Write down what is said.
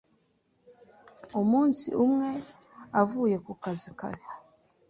Umunsi umwe avuye ku kazi kare